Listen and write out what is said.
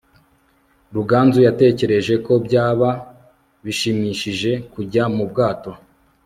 ruganzu yatekereje ko byaba bishimishije kujya mu bwato